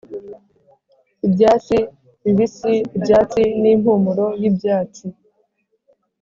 ibyatsi bibisi byatsi n'impumuro y'ibyatsi,